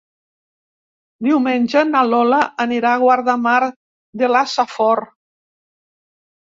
Diumenge na Lola anirà a Guardamar de la Safor.